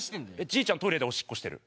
じいちゃんはトイレでおしっこしてる。